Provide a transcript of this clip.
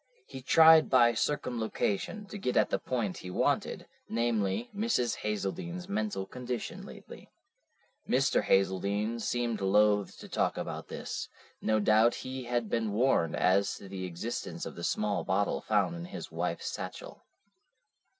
He tried by circumlocution to get at the point he wanted, namely, Mrs. Hazeldene's mental condition lately. Mr. Hazeldene seemed loath to talk about this. No doubt he had been warned as to the existence of the small bottle found in his wife's satchel.